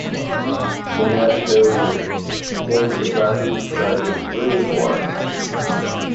The map shows the Kangsabati Project Reservoir.